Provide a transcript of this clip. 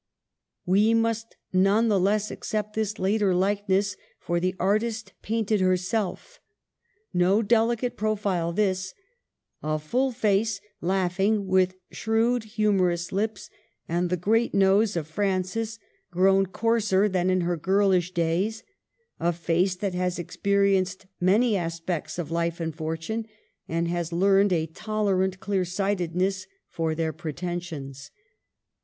We must none the less accept this later likeness, for the artist painted herself. No delicate profile this, — a full face, laughing, with shrewd humorous lips, and the great nose of Francis, grown coarser than in her girlish days ; a face that has expe rienced many aspects of life and fortune, and has learned a tolerant clear sightedness for their pre tensions.